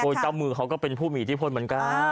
เจ้ามือเขาก็เป็นผู้มีอิทธิพลเหมือนกัน